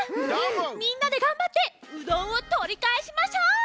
みんなでがんばってうどんをとりかえしましょう！